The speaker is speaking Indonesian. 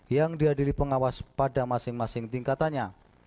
yang diadili pengawas pada masing masing tingkatannya